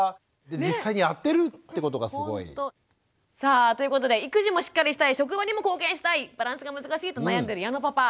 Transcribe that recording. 実際にやってるってことがすごい。さあということで育児もしっかりしたい職場にも貢献したいバランスが難しいと悩んでる矢野パパ。